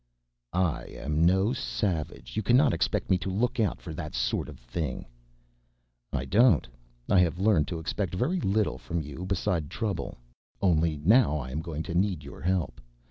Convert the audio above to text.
"I am no savage. You cannot expect me to look out for that sort of thing." "I don't. I have learned to expect very little from you beside trouble. Only now I am going to need your help.